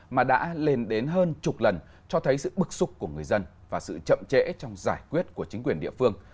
mà đã lên đến hơn chục lần cho thấy sự bực xúc của người dân và sự chậm trễ trong giải quyết của chính quyền địa phương